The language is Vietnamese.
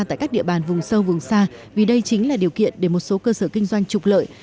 tại các địa bàn vùng sâu vùng xa vì đây chính là điều kiện để một số cơ sở kinh doanh trục lợi